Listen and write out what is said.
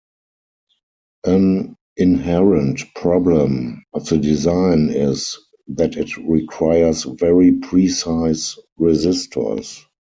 An inherent problem of the design is that it requires very precise resistors.